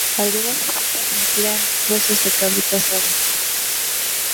Algunas recetas emplean trozos de cabrito asado.